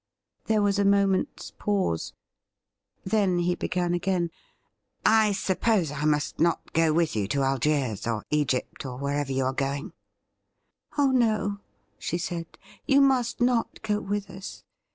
There was a moment's pause. Then he began again :' I suppose I must not go with you to Algiers, or Egypt, or wherever you are going .'''' Oh no,' she said ;' you must not go with us.